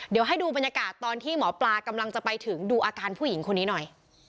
เดี๋ยวให้ดูบรรยากาศตอนที่หมอปลากำลังจะไปถึงดูอาการผู้หญิงคนนี้หน่อย